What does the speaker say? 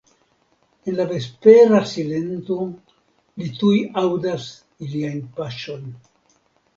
En la vespera silento li tuj aŭdas iliajn paŝojn.